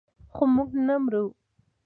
خو موږ نه مرو.